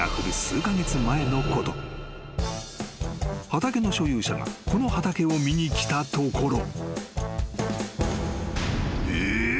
［畑の所有者がこの畑を見に来たところ］